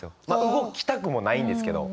動きたくもないんですけど。